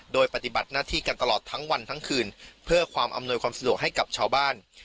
โดยปฏิบัติหน้าที่กันตลอดทั้งวันทั้งคืนเพื่อความอำนวยความสะดวกให้กับชาวบ้าน